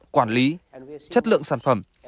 quản lý chất lượng sản phẩm